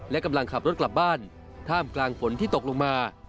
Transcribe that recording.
และกำลังขับรถกลับบ้านท่ามกลางฝนที่ตกลงมา